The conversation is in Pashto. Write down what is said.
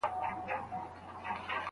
دا کار د اسلامي لارښوونو خلاف عمل دی.